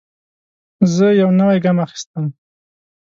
زه یو نوی ګام اخیستم.